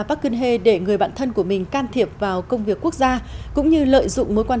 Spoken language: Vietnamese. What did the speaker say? park geun hye để người bạn thân của mình can thiệp vào công việc quốc gia cũng như lợi dụng mối quan